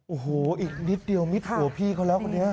โอ้โหอีกนิดเดียวมิดหัวพี่เขาแล้วคนนี้